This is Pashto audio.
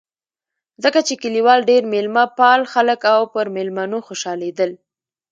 ځکه چې کلیوال ډېر مېلمه پال خلک و او پر مېلمنو خوشحالېدل.